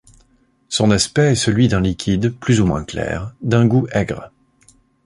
Son aspect est celui d'un liquide plus ou moins clair d'un goût aigre.